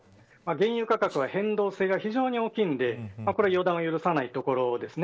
原油価格は変動性が非常に大きいので予断を許さないところです。